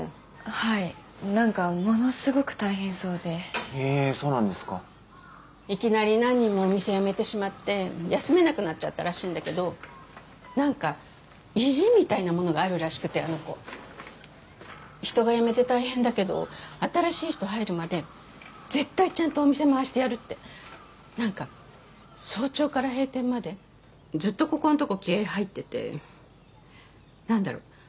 はいなんかものすごく大変そうでへえーそうなんですかいきなり何人もお店辞めてしまって休めなくなっちゃったらしいんだけどなんか意地みたいなものがあるらしくてあの子人が辞めて大変だけど新しい人入るまで絶対ちゃんとお店回してやるってなんか早朝から閉店までずっとここんとこ気合い入っててなんだろう？